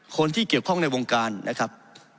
คนที่เกี่ยวข้องในวงการนะครับ